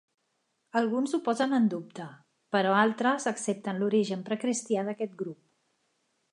Alguns ho posen en dubte, però altres accepten l'origen precristià d'aquest grup.